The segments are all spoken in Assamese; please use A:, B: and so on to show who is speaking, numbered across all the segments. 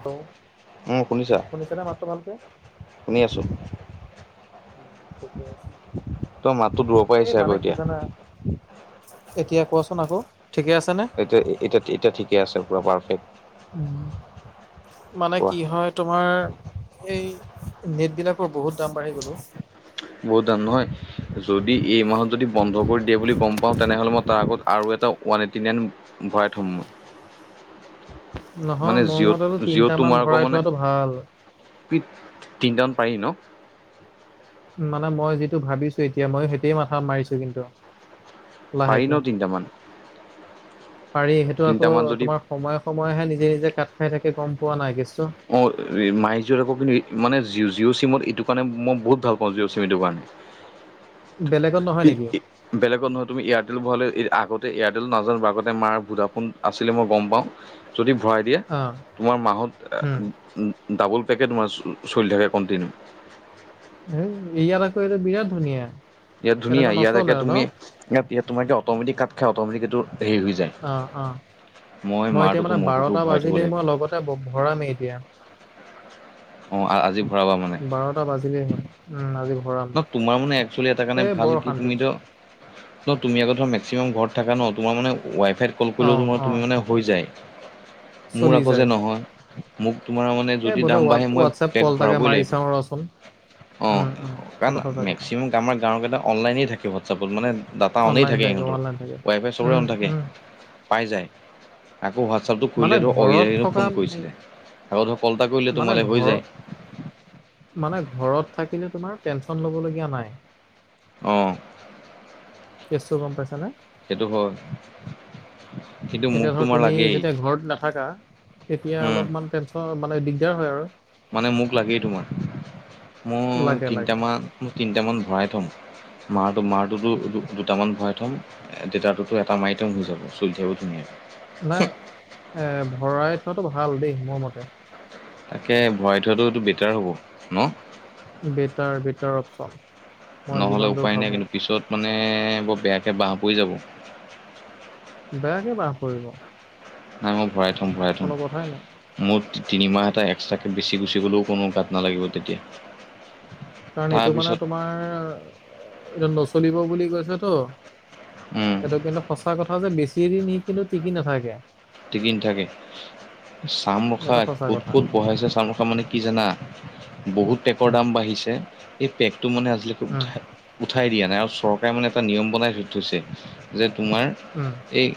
A: হেল্ল'
B: উম শুনিছা
A: শুনিছানে মাতটো ভালকে?
B: শুনি আছো
A: উম ঠিকেই আছে।
B: তই মাততো দূৰৰ পৰা
A: এই
B: আহিছে আকৌ
A: মানে কি
B: এতিয়া
A: জানা এতিয়া কোৱাচোন আকৌ ঠিকে আছেনে?
B: এয়া এতিয়া এতিয়া ঠিকে আছে, পুৰা পাৰফেক্ট।
A: উ, মানে
B: কোৱা
A: কি হয় তোমাৰ এই নেটবিলাকৰ বহুত দাম বাঢ়ি গ'ল অ'।
B: বহুত দাম, নহয় যদি এই মাহত যদি বন্ধ কৰি দিয়ে বুলি গম পাওঁ তেনেহ'লে মই তাৰ আগত আৰু এটা ওৱান এইটটি নাইন ভৰাই থ'ম মই।
A: নহয়
B: মানে
A: মোৰ
B: জিঅ'ত
A: মতে টো
B: জিঅ'ত
A: তিনটামান
B: তোমাৰ আকৌ
A: ভৰাই
B: মানে
A: থোৱাটো ভাল।
B: তিনিটামান পাৰি ন'?
A: মানে মই যিটো ভাবিছোঁ এতিয়া মই, সেইটোৱে মাথা মাৰিছোঁ কিন্তু।
B: পাৰি
A: লাহেকে।
B: ন' তিনটামান?
A: পাৰি, সেইটো আকৌ
B: তিনিটামান যদি
A: তোমাৰ সময়ে সময়েহে নিজে নিজে কাট খাই থাকে, গম পোৱা নাই কেচটো?
B: অ' মাই জি'অ' আকৌ কিন্তু ইমানে মানে জিঅ' জিঅ' চিমত এইটো কাৰণে মই বহুত ভাল পাওঁ, জিঅ' চিম এইটো কাৰণে।
A: বেলেগত নহয় নেকি?
B: [unintelligible] বেলেগত নহয় তুমি এয়াৰটেল ভৰালে আগতে, এয়াৰটেল নাজানো আগতে মাৰ ভুডাফোন আছিলে মই গম পাওঁ। যদি ভৰাই দিয়া
A: অ,
B: তোমাৰ মাহত
A: উম।
B: ডাবল পেকেট মাহ চলি থাকে কণ্টিনিউ।
A: হেই এইয়াত আকৌ এইটো বিৰাট ধুনীয়া।
B: ইয়াত ধুনীয়া,
A: আকৌ
B: ইয়াত একে
A: নচলে ন?
B: তুমি ইয়াত ইয়াত তোমাৰ এই অট'মেটিক কাট খাই, অট'মেটিক এইটো হেৰি হৈ যায়।
A: অ', অ' মই এতিয়া
B: মাৰটোতো
A: মানে
B: মোৰটোতো
A: বাৰটা
B: ভৰাই থ'ব
A: বাজিলেই
B: লাগিব
A: মই লগতে ভৰামেই এতিয়া।
B: অ' আজি ভৰাবা মানে?
A: টা বাজিলেই হ'ল। উম, আজি ভৰাম।
B: না তোমাৰ মানে একচুৱেলি এটা কাৰণে
A: এই বৰ
B: ভাল, কি
A: অশান্তি,
B: তুমিতো ন' তুমি আকৌ মেক্সিমাম ঘৰত থাকা ন' তোমাৰ মানে ৱাইফাইত কল কৰিলেওটো
A: অ',
B: তোমাৰ
A: অ',
B: তুমি মানে হৈ যায়, মোৰ
A: চলি
B: আকৌ
A: যায়।
B: যে নহয়। মোক তোমাৰ মানে
A: এ
B: যদি
A: বোলে
B: দাম বাঢ়ে মই
A: হোৱা-হোৱাটছএপ
B: পেগ
A: কল এটাকে
B: ভৰাবই
A: মাৰি
B: লাগিব,
A: চাওঁ ৰচোন, উম,
B: অ'।
A: উম, সেইটো
B: কাৰণ
A: সঁচা কথা।
B: মেক্সিমাম আমাৰ গাঁৱৰকেইটা অনলাইনেই থাকে হোৱাটছএপত মানে ডাটা অননেই
A: অনলাইন
B: থাকে ইহঁতৰ,
A: অনলাইন থাকে,
B: প্ৰাই চবৰে
A: উম,
B: অন থাকে।
A: উম,
B: পাই যায়, আকো হোৱাটছএপটো
A: মানে
B: খুলিলে ধৰ অ'
A: ঘৰত
B: ইয়ে
A: থকা
B: ফোন কৰিছিলে। আকো ধৰ কল এটা কৰিলে
A: মানে
B: তোমালে হৈ
A: ঘৰ
B: যায়।
A: মানে ঘৰত থাকিলে তোমাৰ টেনচন ল'ব লগীয়া নাই।
B: অঁ
A: কেছটো গম পাইছানে?
B: সেইটো হয়। কিন্তু মোক
A: এতিয়া ধৰা
B: তোমাৰ
A: তুমি
B: লাগেই
A: যেতিয়া ঘৰত নাথাকা, তেতিয়া
B: উম
A: অলপমান টেনচন মানে দিগদাৰ হয় আৰু।
B: মানে মোক লাগেই তোমাৰ, মই
A: লাগে লাগে।
B: তিনটামান তিনটামান ভৰাই থ'ম। মাটো মাটোতো দু দুটামান ভৰাই থ'ম। দেতাৰটোটো এটা মাৰি থ'ম হৈ যাব, চলি থাকিব ধুনীয়াকৈ।
A: নাই, এ ভৰাই থোৱাটো ভাল দেই মোৰ মতে।
B: তাকে ভৰাই থোৱাটো এইটো বেটাৰ হ'ব ন।
A: বেটাৰ, বেটাৰ অপচন, মই
B: নহ'লে
A: যিমান দূৰ
B: উপায় নাই
A: ভাবো।
B: কিন্তু পিছত মানে, বৰ বেয়াকে বাঁহ পৰি যাব।
A: বেয়াকে বাঁহ পৰিব।
B: নাই মই ভৰাই থম, ভৰাই
A: কোনো কথাই নাই
B: থম। মুঠ তিনিমাহ এটা, এক্সট্ৰাকে বেছি গুচি গ'লেও কোনো গাত নালাগিব তেতিয়া।
A: কাৰণ এইটো মানে
B: তাৰপিছত
A: তোমাৰ, এইটো নচলিব বুলি কৈছে তো।
B: উম
A: সেইটো কিন্তু সঁচা কথা যে, বেছি দিন ই কিন্তু টিকি নাথাকে।
B: টিকি নথাকে, চাম ৰখা
A: এইটো সঁচা
B: ক'ত
A: কথা
B: ক'ত বহাইছ চাম ৰখা। মানে কি জানা, বহুত পেকৰ
A: উম
B: দাম বাঢ়িছে, এই পেকটো মানে আজিলৈ
A: উম
B: উঠাই উঠাই দিয়া নাই। আৰু চৰকাৰে মানে এটা নিয়ম বনাই থৈ থৈছে যে, তোমাৰ
A: উম।
B: এই,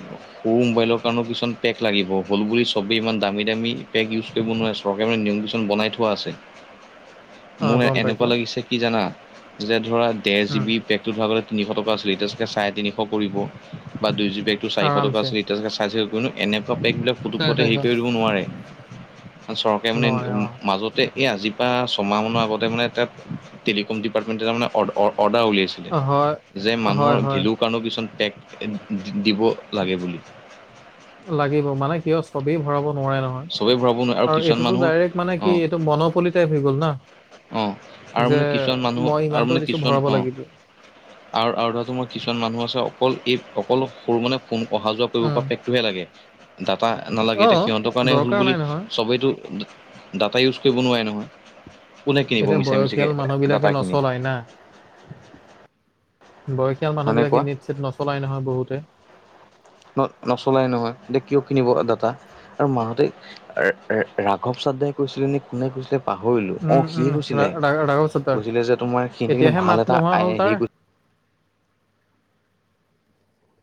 B: সৰু মোবাইলৰ কাৰণেও কিছন পেক লাগিব, হ'ল বুলি চবেই ইমান দামী, দামী পেক উচ কৰিব নোৱাৰে। চৰকাৰে মানে নিয়ম কিছুমান বনাই থোৱা আছে।
A: অ
B: মোৰ
A: গম
B: এনেকুৱা
A: পাইছো
B: লাগিছে কি জানা, যে ধৰা দেৰ
A: উম
B: জিবি পেক [unintelligible] তিনিশ টকা আছিলে, এতিয়া চাগে চাৰে তিনিশ কৰিব, বা দুই জিবি পেকটো চাৰিশ টকা
A: আৰামছে
B: আছিলে [unintelligible] এনেকুৱা পেকবিলাক পুটোক
A: চাৰে
B: কতে হেৰি
A: চাৰিশ
B: কৰি দিব নোৱাৰে। চৰকাৰে মানে
A: নোৱাৰে অ
B: মাজত তে এই আজিৰ পৰা ছমাহ মানৰ আগতে মানে, তাত টেলিকম ডিপাৰ্টমেণ্ট তাৰ মানে অ', অ', অৰ্ডাৰ উলিয়াইছে
A: অ, হয়
B: যে
A: হয়
B: মানুহৰ,
A: হয়
B: ভেলো কাৰণেও কিছুমান পেক দিব লাগে বুলি।
A: লাগিব, মানে কিয় চবেই ভৰাব নোৱাৰে নহয়।
B: চবেই ভৰাব নোৱাৰে
A: আৰু
B: কিছুমান
A: এইটোতো
B: মানুহ
A: ডাইৰেক্ট মানে
B: অ
A: কি, এইটোতো মন'পলি টাইপ হৈ গ'ল না।
B: অ আৰু
A: যে,
B: মানে কিছুমান মানুহ
A: মই
B: আৰু মানে
A: ইমানটো দিছো
B: কিছুমান
A: ভৰাব
B: অ
A: লাগিব।
B: আৰু, আৰু [unintelligible] মোৰ কিছুমান মানুহ আছে অকল, এই অকল সৰু মানে ফোনে অহা-যোৱা কৰিব
A: উম
B: পৰা পেকটোহে লাগে। ডাটা নালাগে,
A: অ
B: এতিয়া সিহঁতৰ কাৰণে হ'ল
A: দৰকাৰ
B: বুলি
A: নাই নহয়
B: চবেইতো দাতা ইউজ কৰিব নোৱাৰে নহয়। কোনে কিনিব
A: এতিয়া,
B: মিছা মিছিকে
A: বয়সীয়াল মানুহ বিলাকে
B: ডাটাখিনি
A: নচলায় না। বয়সীয়াল মানুহ
B: হয়নে
A: বিলাকে
B: কোৱা
A: নেত-সেত নচলাই নহয় বহুতে।
B: ন নচলাই নহয়, এতিয়া কিয় কিনিব ডাটা, আৰু মানুহতে ৰ ৰ ৰাঘৱ চাদ্ধাই কৈছিলে, নে কোনে কৈছিলে পাহৰিলো অ',
A: উম উম
B: সীয়াই কৈছিলে,
A: ৰাঘৱ চদাৰ
B: কৈছিলে যে তোমাৰ সিহঁতে কিন্তু
A: এতিয়াহে মাত
B: ভাল এটা
A: নোহোৱা
B: এই
A: হ'ল
B: এই
A: তাৰ
B: হেৰী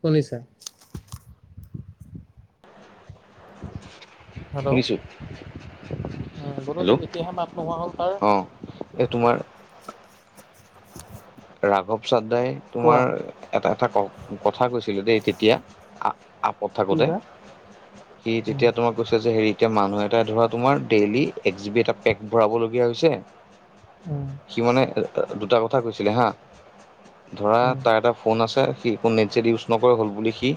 A: শুনিছা। হেল্ল',
B: শুনিছো
A: বোলো
B: হেল্ল'
A: এতিয়াহে মাত নোহোৱা হ'ল তাৰ।
B: এ তোমাৰ ৰাঘৱ চাদ্দাই,
A: কোৱা
B: তোমাৰ এটা, এটা ক কথা কৈছিলে দেই, তেতিয়া আপত
A: কি
B: থাকোঁতে।
A: বা
B: সি
A: উম
B: তেতিয়া তোমাক [unintelligible] এতিয়া মানুহ এটা ধৰা তোমাৰ, ডেইলি এক জিবি এটা পেক ভৰাবলগীয়া হৈছে
A: উম
B: সি মানে দুটা কথা কৈছিলে হা, ধৰা
A: উম
B: তাৰ এটা ফোন আছে, সি একো নেট জেট ইউজ নকৰে হ'ল বুলি সি।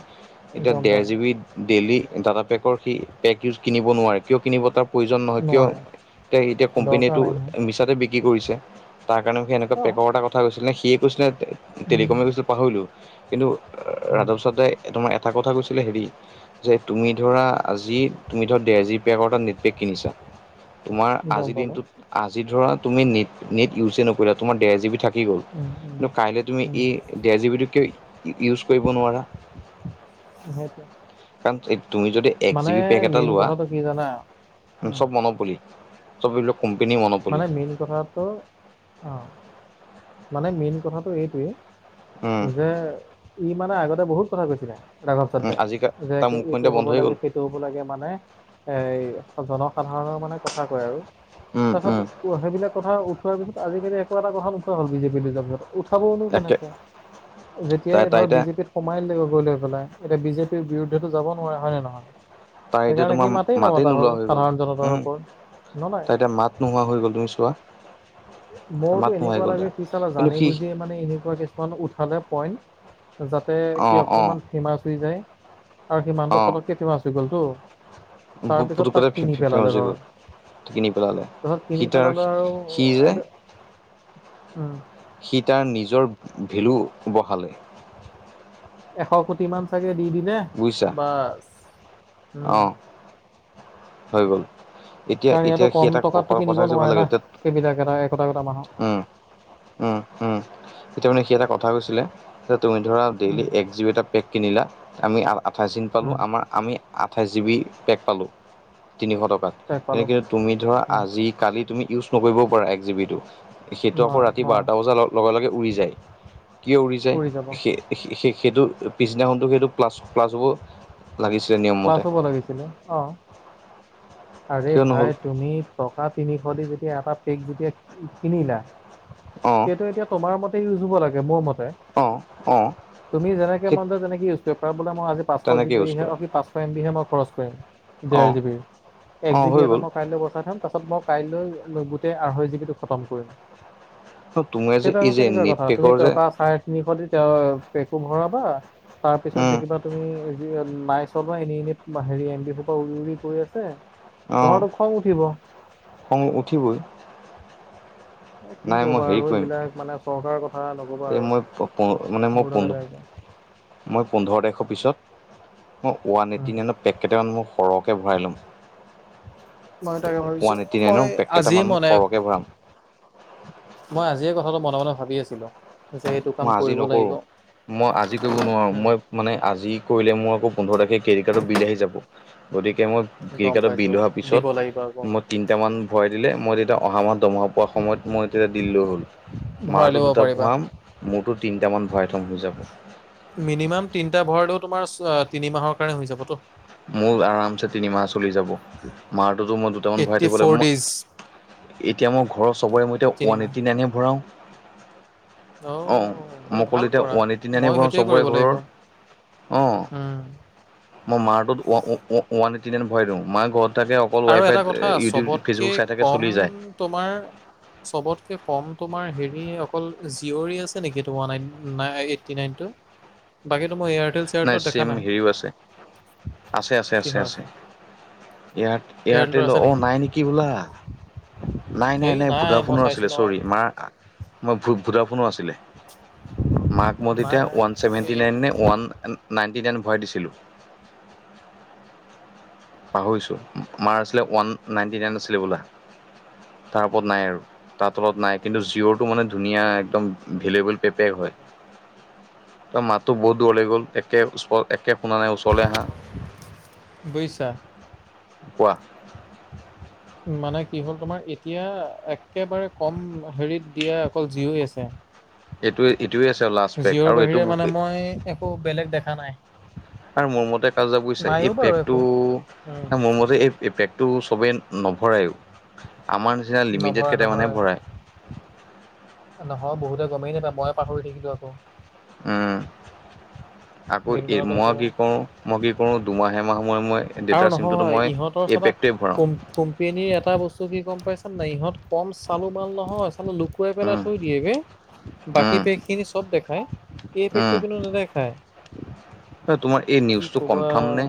B: এতিয়া
A: গম
B: ডেৰ
A: পালো
B: জি বি ডেইলি ডাটা পেকৰ সি, পেক ইউজ কিনিব নোৱাৰে। কিয় কিনিব তাৰ প্ৰয়োজন নহয়। কিয়,
A: নোৱাৰে
B: এতিয়া
A: দৰকাৰ
B: কোম্পেনীটো
A: নাই নহয়
B: মিছাতে বিক্ৰী কৰিছে। তাৰ কাৰণে সি এনেকোৱা
A: অ
B: পেকৰ এটা কথা কৈছিলে, সিয়ে কৈছিলে
A: উম
B: টেলিকমে কৈছিলে পাহৰিলো। কিন্তু
A: উম
B: ৰাধৱ চাদাই, তোমাৰ এটা কথা কৈছিলে হেৰি যে তুমি ধৰা, আজি তুমি ধৰা ডেৰ জিবি পেকৰ এটা নেট পেক কিনিছা তোমাৰ
A: গম
B: আজি
A: পালো
B: দিনটোত, আজি ধৰা তুমি নেট, নেট ইউজে নকৰিলা, তোমাৰ দেৰ জিবি থাকি গ'ল,
A: উম উম
B: কিন্তু কাইলৈ তুমি
A: উম
B: এই ডেৰ জিবিটো কিয় ইউজ কৰিব নোৱাৰা।
A: [inaudible]
B: কাৰণ তুমি যদি এক জি
A: মানে
B: বি পেক এটা
A: মেইন
B: লোৱা
A: কথাটো কি জানা? উম।
B: চব মনত পৰি ছবিলক কম্পেনী মনত
A: মানে মেইন কথাটো অ' মানে মেইন কথাটো এইটোৱে
B: উম
A: যে ই মানে আগতে বহুত কথা কৈছিলে। ৰাঘৱ
B: উম
A: চাড্ডাই
B: আজিকা
A: যে
B: তাৰ
A: কে
B: মুখখন
A: এইটো
B: এতিয়া
A: হ'ব,
B: বন্ধ হৈ
A: লাগে
B: গ'ল
A: সেইটো হ'ব লাগে মানে এই জনসাধাৰণৰ মানে কথা কয় আৰু।
B: উম উম
A: তাৰপাছত সেইবিলাক কথা উঠোৱাৰ পিছত আজিকালি একো এটা কথা নোকোৱা হ'ল বিজেপীলৈ যোৱা পিছত। উঠাবইনো
B: তাকে
A: কেনেকে
B: তাই
A: যেতিয়াই
B: তাই
A: ধৰ
B: এতিয়া
A: বিজেপিত সোমাই দিলে গৈ লৈ পেলাই, এতিয়া বিজেপিৰ বিৰুদ্ধেতো যাব নোৱাৰে হয় নে নহয়?
B: তাৰ এতিয়া
A: সেইকাৰণে সি
B: তোমাৰ মাতেই
A: নমতা হ'ল
B: নোলোৱা হৈ গ'ল।
A: সাধাৰণ জনতাৰ ওপৰত
B: উম,
A: নলয়
B: তাৰ এতিয়া মাত নোহোৱা হৈ গ'ল তুমি চোৱা।
A: মোৰতো
B: মাত নোহোৱা হৈ
A: এনেকুৱা
B: গ'ল
A: লাগে
B: তাৰ
A: সি চালা
B: কিন্তু
A: জানি
B: সি
A: বুজিয়ে মানে এনেকুৱা কিছুমান উঠালে পইণ্ট যাতে
B: অ
A: সি
B: অ
A: অকমান ফেমাচ হৈ যায় আৰু সি
B: অ
A: মানুহটো পটককে ফেমাচ হৈ গ'লতো। তাৰপিছত
B: পুতুকতে
A: তাক কিনি
B: ফেমাচ
A: পেলালে
B: হৈ
A: ধৰ।
B: গ'ল কিনি পেলালে
A: ধৰ
B: সি
A: কিনি
B: তাৰ
A: পেলালে আৰু
B: সি যে
A: এই উম।
B: সি তাৰ নিজৰ ভেলু বঢ়ালে।
A: এশ কোটি মান চাগে দি দিলে
B: বুজিছা?
A: বাছ উম
B: অ' হৈ গ'ল। এতিয়া,
A: কাৰণ ইয়াতো
B: এতিয়া সি
A: কম
B: এটা
A: টকাতটো
B: কথা
A: কিনিব
B: কৈছে ভাল
A: নোৱাৰে
B: লাগে
A: না
B: এতিয়া,
A: সেইবিলাক এটা একোটা একোটা মানুহক
B: উম। উম, উম, এতিয়া মানে সি এটা কথা কৈছিলে যে তুমি ধৰা ডেইলি
A: উম
B: এক জীবি এটা পেক কিনিলা, আমি আ-আঠাইছ দিন পালোঁ,
A: উম
B: আমাৰ আমি আঠাইছ জিবি পেক পালোঁ তিনিশ টকাত
A: তাক
B: তেনে
A: পালো
B: তুমি ধৰা
A: উম
B: আজি, কালি তুমি ইউজ নকৰিবও পাৰা এক জি বিটো সেইটো আকৌ
A: নোৱাৰা
B: ৰাতি
A: নোৱাৰা
B: বাৰটা বজাৰ লগে লগে উৰি যায়, কিয় উৰি যায় সেই সেই-সেইটো পিছদিনাখনটো সেইটো প্লাছ প্লাছ হ'ব লাগিছে
A: প্লাছ হ'ব লাগিছিলে অ'। আৰে
B: কিয় নহ'ল
A: ভাই তুমি টকা তিনিশ দি যেতিয়া এটা পেক যেতিয়া কিনিলা
B: অ'।
A: সেইটো এতিয়া তোমাৰ মতেই ইউজ হ'ব লাগে, মোৰ মতে।
B: অঁ অঁ
A: তুমি যেনেকে
B: সেই
A: মন যায় তেনেকে ইউজ কৰিব পাৰা, বোলে মই আজি পাচশ
B: তেনেকৈ ইউজ
A: জিবীহে
B: কৰা
A: কি পাঁচ এমবিহে মই খৰচ কৰিম ডেৰ
B: অঁ
A: জিবিৰ, এক
B: অঁ হৈ
A: জিবি এটা
B: গ'ল
A: মই কাইলে বচাই থ'ম তাছত মই কাইলৈ গোটেই আঢ়ৈ জিবিটো খতম কৰিম।
B: তোমাৰ যে
A: সেইটো
B: এই
A: আকৌ
B: যে
A: কেনেকুৱা
B: নেট
A: কথা, তুমি
B: পেকৰ যে
A: টকা চাই তিনিশ দি তে পেকু ভৰাবা, তাৰপিছত
B: উম
A: দেখিবা তুমি যি নাইচ চলোৱা এনে এনে হেৰি এমবি সোপা উৰি উৰি গৈ আছে
B: অ'
A: তোমাৰতো খং উঠিব
B: খং উঠিবই।
A: এ, কি
B: নাই মই
A: কবা আৰু এইবিলাক মানে চৰকাৰৰ কথা। নক'বা
B: এ,
A: আৰু
B: মই প মানে মই
A: মোৰ
B: প
A: দালে বেয়াকে
B: মই পোন্ধৰ তাৰিখৰ পিছত ওৱান
A: উম।
B: এইটটি নাইনত পেকেইটামান মোক সৰহকে ভৰাই ল'ম।
A: মই তাকে ভাবিছো
B: ওৱান এইটটি
A: মই
B: নাইনৰ
A: আজিয়ে
B: পেককেইটামান মই
A: মনে
B: সৰহকে ভৰাম।
A: মই আজিয়ে কথাটো মনে মনে ভাবি আছিলোঁ।
B: মই আজি নকৰোঁ, মই আজি কৰিব নোৱাৰো, মই মানে আজি কৰিলে মোৰ আকৌ পোন্ধৰ তাৰিখে কেডিট কাৰ্ডৰ বিল আহি যাব গতিকে মই ক্ৰেডিট
A: গম
B: কাৰ্ডত
A: পাইছো
B: বিল হোৱা
A: দিব লাগিব আকৌ।
B: পিছত মই তিনটামান বঢ়াই দিলে, মই তেতিয়া অহা মাহত দৰমহা পোৱা সময়ত মই তেতিয়া দি দিলে হ'ল,
A: ভৰাই
B: মাৰটো
A: ল'ব
B: দুটা
A: পাৰিবা।
B: বঢ়াম মোৰটো তিনটামান ভৰাই থ'ম হৈ যাব।
A: মিনিমাম তিনিটা ভৰালেও তোমাৰ তিনি মাহৰ কাৰণে হৈ যাবতো
B: মোৰ আৰামছে তিনিমাহ চলি যাব মাৰটোতো মই দুটামান ভৰাই
A: এইট্টি
B: থাকিবলৈাগ
A: ফ'ৰ ডেইজ।
B: মোক এতিয়া মই ঘৰৰ চবৰে মতিয়া ওৱান
A: তিনিমাহ
B: এইট্টি নাইনে ভৰাওঁ
A: অ'
B: আহ
A: সেইটো ভাল
B: মকল এতিয়া
A: কৰা
B: ৱানি তিনিনি
A: মই
B: বৰা
A: সেইটোৱে কৰিব
B: চবৰে ঘৰৰ
A: লাগিব
B: অ
A: উম।
B: মই মাৰটোত ওৱান এইটটি নাইন ভৰাই দিওঁ মাৰ ঘৰত থাকে অকল
A: আৰু এটা
B: ৱাইফাইত
A: কথা
B: ইউটিউব
A: চবতকে
B: ফেচবুক চাই থাকে
A: কম
B: চলি যায়
A: তোমাৰ চবতকে কম তোমাৰ হেৰি অকল জিঅৰী আছে নেকি তো [unintelligible]
B: নাই চেম হেৰিও আছে আছে আছে আছে আছে এয় এয়াৰটেলৰ অ নাই নেকি বোলা নাই নাই
A: হেই
B: নাই ভুদা
A: মই
B: ফনৰো
A: চাইছো
B: আছিলে
A: নহয়
B: চৰি মাৰ মই ভ ভুদা ফনৰো আছিলে মাক মই
A: নাই
B: তেতিয়া
A: নাই
B: ওৱানভেট
A: এই
B: নাইন নে ওৱ নাইটি নাইন ভৰাই দিছিলো
A: গম পাইছো
B: পাহৰিছোঁ মাৰ আছিলে ওৱান নাইনটি
A: অকল
B: নাইন আছিলে
A: মই
B: বোলা তাৰ ওপৰত নাই
A: এতিয়া
B: আৰু
A: মই যিটো
B: তাৰ
A: দেখিছো
B: তলত নাই কিন্তু
A: হেৰি
B: জিঅ'টো
A: হৈ
B: মানে
A: আছে
B: ধুনীয়া
A: অকল
B: একদম
A: জিঅ'তে
B: ভেলুৱুৱেবল
A: আছে গম
B: পেপেক হয়
A: পাইছা?
B: উ তাৰ মাতটো বহুত দূৰ ল গ'ল একে একে শুনা নাই ওচৰলৈ আহাঁা
A: বৈছা
B: কোৱা
A: মানে কি হ'ল তোমাৰ এতিয়া একেবাৰে কম হেৰিত দিয়া অকল জিই আছে
B: এইটোৱে এইটোৱে আছে লাষ্ট পেক
A: জিঅৰ
B: আৰু এইটো
A: বাহিৰে মানে মই একো বেলেগ দেখা নাই
B: আৰু মোৰ মতে কাজা বুজিছা এই
A: নাইও বাৰু
B: পেকটো
A: একো। উম,
B: মোৰ মতে এই এই পেগটো চবেই নভৰাইয়ো আমাৰ নিচিনা লিমিটেড
A: নভৰাই
B: কেইটামানে
A: নভৰাই।
B: ভৰাই
A: নহয় বহুতে গমেই নাপায় ময়ে পাহৰি থাকিলো আকৌ
B: উম আকৌ
A: মেইন কথাটো
B: মই
A: সেইটো
B: কি
A: হয়।
B: কৰো মই কি কৰো দুমাহে মাহ সময় মই
A: আৰু
B: ডাৰ চিমতো
A: নহয়
B: মই
A: ইহঁতৰ
B: এ
A: চাবা
B: পেকটোৱে ভৰাও
A: কোম কোম্পেনীৰ এটা বস্তু কি গ'ম পাইছে নে ইহঁত কম চালু মাল নহয় লুকুৱাই পেলাই থৈ দিয়েগ বাকী পেক খিনি চব দেখাই এই পেকটো
B: ভৰাওঁ
A: কিন্তু দেখায়
B: হয় তোমাৰ এই নিউজটো
A: ক'বা
B: কনফাৰ্ম নে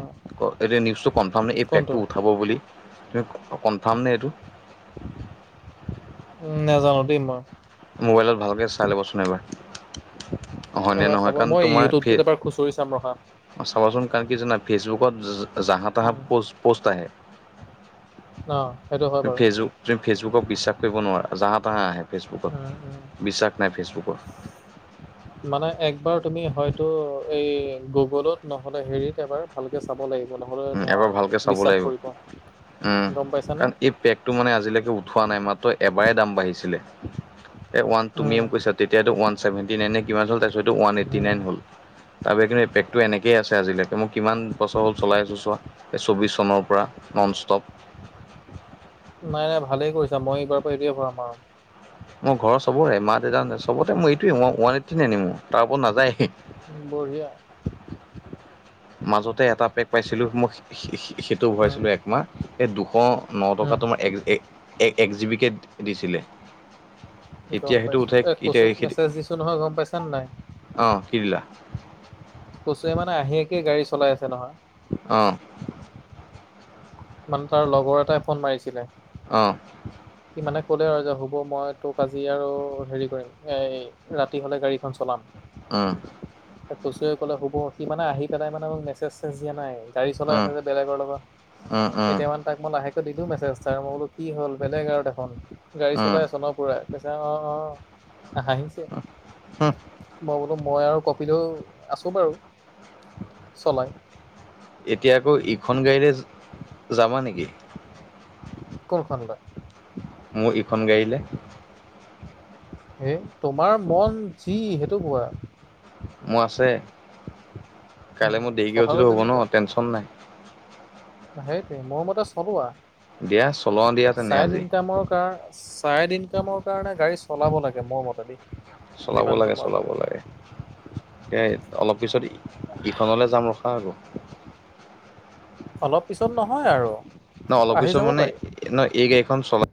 B: এই নিউজটো কনফাৰ্ম নে এই
A: কোনটো
B: পেকটো উঠাব বুলি তুমি কনফাৰ্ম নে এইটো
A: উম নাজানো দেই মইু
B: মোবাইলত ভালকে চাই ল'বচোন এবাৰ অহনে
A: এবাৰ
B: নহয়
A: চাব
B: কাৰণ
A: মই
B: তোমাৰ
A: ইউটিউবটোত এবাৰ খুচৰি চাম ৰখা।
B: ফিৰ অঁ চাবচোন কাৰণ কি জানা ফেচবুকত জাহা তাহা
A: উম,
B: পষ্ট প'ষ্ট আহে
A: অ সেইটো হয়
B: তুম
A: বাৰু
B: ফেচবুক তুমি ফেচবুক বিশ্বাস কৰিব নোৱাৰা জাহ তাহাঁ আহে
A: উম, উম।
B: ফেচবুকত বিশ্বাস নাই ফেচবুকৰত
A: মানে একবাৰ তুমি হয়তো এই গুগলত নহ'লে হেৰিত এবাৰ ভালকে চাব লাগিব লগলৈ
B: উম, এবাৰ
A: নোৱাৰা তুমি
B: ভালকৈ চাব
A: বিশ্বাস
B: লাগিব
A: কৰিবা
B: উম
A: গম পাইছানে
B: কাৰণ এই পেকটো মানে আজিলৈকে উঠোৱা নাই মাত্ৰ এবাৰে দাম বাঢ়িছিলে এ ৱান তুমি
A: উম,
B: কৈছা তেতিয়টো ওৱান চছেভেন্টি নাই কিমান হ'ল তাৰপছত ওান এইটি
A: উম,
B: নাইন হ'ল তাৰ বি কিন্তুেকতটো এনেকে আজিলৈকে ম কিমান বছৰ হ'ল চলাই আছোঁ চোৱা এই চৌব্বিছ চনৰ পৰা নন ষ্টপ
A: নাই নাই ভালেই কৰিছা মই এইবাৰ পৰা এইটোৱে ভৰাম আৰু
B: মোৰ ঘৰৰ চবৰে মা দেউা চবতে মই এইটোৱে মই ৱান এইট ন আনিম তাৰ ওপৰত নাায়
A: উ বঢ়িয়া
B: মাজতে এটা পেক পাইছিলো মই সেইটো
A: উম,
B: ঘৰাইছিলো একমাহ এই দুশ ন টকা
A: উম,
B: তোমাৰ এক এক্জিবিকে দিছিলে
A: গম
B: এতিয়া সেইটো
A: পাইছো
B: উঠাই
A: এ
B: এতিয়া
A: কচুক মেছেজ দিছো নহয় গম পাইছানে নাই?
B: অ', কি দিলা?
A: কচুৱে মানে আহি একি গাড়ী চলাই আছে নহয়।
B: অ'।
A: মানে তাৰ লগৰ এটাই ফোন মাৰিছিলে।
B: অ'।
A: সি মানে ক'লে আৰু যে হ'ব মই তোক আজি আৰু হেৰি কৰিম এই ৰাতি হ'লে গাড়ীখন চলাম।
B: উম।
A: কচুৱে ক'লে হ'ব। সি মানে আহি পেলাই মানে মোক মেছেজ চেচেজ দিয়া নাই। গাড়ী চলাই
B: উম
A: আছে যে বেলেগৰ লগত।
B: উম উম
A: এতিয়া মানে তাক মই লাহেকৈ দিলো মেছেজ এটা মই বোলো কি হ'ল বেলেগ আৰু এখন গাড়ী
B: উম
A: চলাই আছ ন পুৰা। কৈছে অ' অ' হাঁহিছে।
B: হুহ।
A: মই বোলো মই আৰু কপিলেও আছো বাৰু চলাই।
B: এতিয়া আকৌ ইখন গাড়ীলে যাবা নেকি?
A: কোনখন গাড়ী?
B: মোৰ ইখন গাড়ীলে?
A: হে তোমাৰ মন যি সেইটো কোৱা।
B: মোৰ আছে, কাইলৈ
A: উম
B: মই দেৰিকে
A: কথাটো
B: উঠিলেও হ'ব ন
A: তেনেকুৱা
B: টেনচন নাই।
A: সেইটোৱে মোৰ মতে চলোৱা।
B: দিয়া চলাও দিয়া তেনে
A: চাইড
B: আজি
A: ইনকামৰ কাৰ চাইড ইনকামৰ কাৰণে গাড়ী চলাব লাগে মোৰ মতেদি।
B: চলাব
A: যিমানটো
B: লাগে,
A: মই
B: চলাব
A: ভাবো
B: লাগে। এতিয়া অলপ পিছত ইখনলৈ যাম ৰখা আকৌ।
A: অলপ পিছত নহয় আৰু।
B: ন অলপ
A: আহি
B: পিছত
A: যাব
B: মানে
A: পাৰি
B: ন এই গাড়ীখন চলা